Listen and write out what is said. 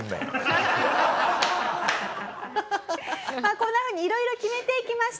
こんなふうに色々決めていきました。